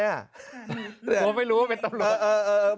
เพราะไม่รู้ว่าเป็นตำรวจ